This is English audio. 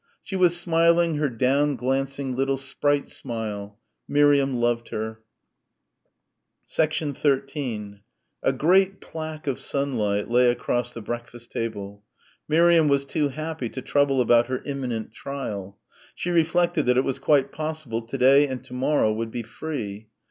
She was smiling her down glancing, little sprite smile. Miriam loved her.... 13 A great plaque of sunlight lay across the breakfast table. Miriam was too happy to trouble about her imminent trial. She reflected that it was quite possible to day and to morrow would be free.